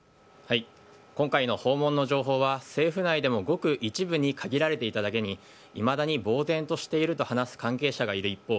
今回の訪問の情報は政府内でもごく一部に限られていただけにいまだに呆然としていると話す関係者がいる一方